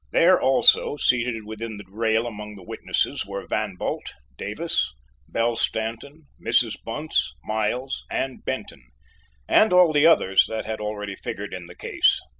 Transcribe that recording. There also, seated within the rail among the witnesses, were Van Bult, Davis, Belle Stanton, Mrs. Bunce, Miles, and Benton, and all the others that had already figured in the case.